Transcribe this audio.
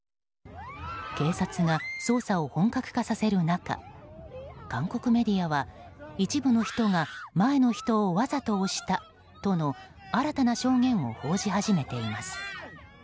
警察が捜査を本格化させる中韓国メディアは一部の人が前の人をわざと押したとの新たな証言を報じ始めています。